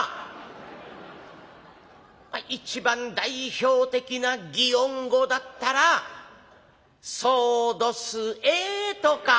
一番代表的な祇園語だったら『そうどすえ』とか」。